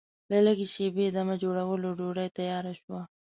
له لږ شېبې دمه جوړولو ډوډۍ تیاره شوه.